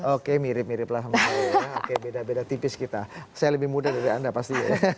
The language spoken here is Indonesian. oke mirip mirip lah sama saya oke beda beda tipis kita saya lebih muda dari anda pasti ya